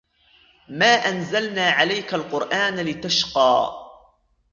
مَا أَنْزَلْنَا عَلَيْكَ الْقُرْآنَ لِتَشْقَى